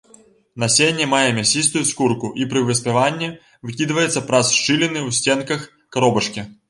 Насенне мае мясістую скурку і пры выспяванні выкідваецца праз шчыліны ў сценках каробачкі.